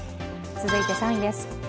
続いて３位です。